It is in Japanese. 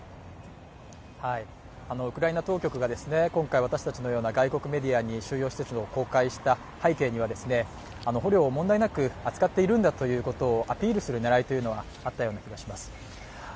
ウクライナ当局が今回、私たちのような外国メディアに収容施設を公開した背景には捕虜を問題なく扱っているんだというアピールする狙いがあったような気がします。